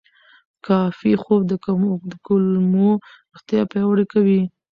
کافي خوب د کولمو روغتیا پیاوړې کوي.